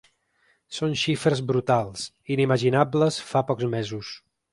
Són xifres brutals, inimaginables fa pocs mesos.